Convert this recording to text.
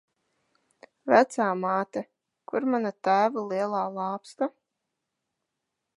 Vecāmāte, kur mana tēva lielā lāpsta?